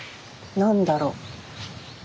何だろう。